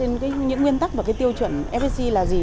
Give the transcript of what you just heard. những nguyên tắc và tiêu chuẩn fac là gì